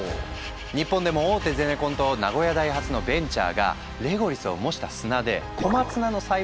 日本でも大手ゼネコンと名古屋大発のベンチャーがレゴリスを模した砂でコマツナの栽培に成功したのよ。